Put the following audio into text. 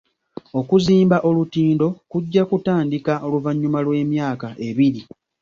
Okuzimba olutindo kujja kutandika oluvannyuma lw'emyaka ebiri.